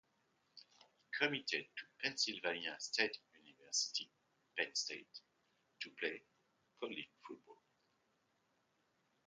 He committed to Pennsylvania State University (Penn State) to play college football.